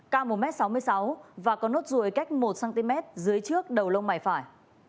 cao một m sáu mươi sáu và có nốt ruồi cách một cm dưới trước đầu lông mày phải